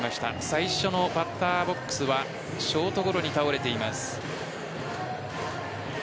最初のバッターボックスはショートゴロに倒れています。